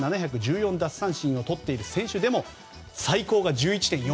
奪三振をとっている選手でも最高が１１．４８。